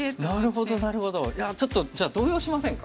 いやちょっとじゃあ動揺しませんか？